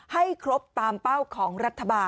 ให้ครบตามเป้าของรัฐบาล